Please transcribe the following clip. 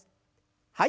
はい。